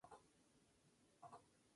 El resultado fue el Sd.Kfz.